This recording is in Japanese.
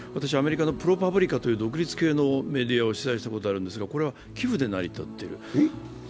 アメリカの独立系メディアを取材したことあるんですがこれは寄付で成り立っている。